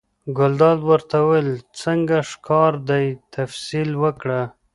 ګلداد ورته وویل: څنګه هوښیار دی، تفصیل ورکړه؟